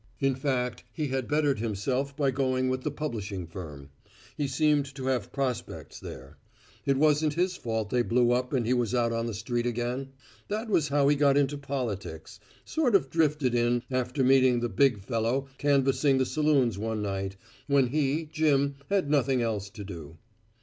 In fact, he had bettered himself by going with the publishing firm. He seemed to have prospects there. It wasn't his fault they blew up and he was out on the street again. That was how he got into politics sort of drifted in after meeting the big fellow canvassing the saloons one night, when he, Jim, had nothing else to do.